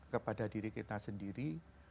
kepada diri kita sendiri